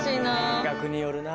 金額によるな。